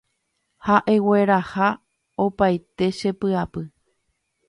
Ha egueraha opaite che jepy'apy